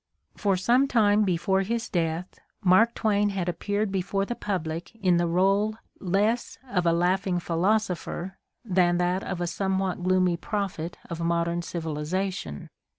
For some time before his death Mark Twain had appeared before the public in the role less of a laughing philosopher than of a somewhat gloomy prophet of mod ern civilization.